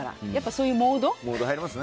そういうモード。